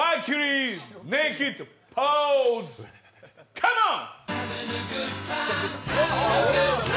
カモン！